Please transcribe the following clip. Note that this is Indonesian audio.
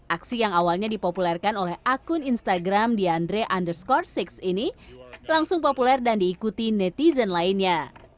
aksi yang awalnya dipopulerkan oleh akun instagram di andre underscore enam ini langsung populer dan diikuti netizen lainnya